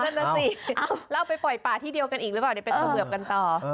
เออนั่นสิแล้วไปปล่อยป่าที่เดียวกันหรือเปล่าหรือเป็นเขาเบื่อกันต่อ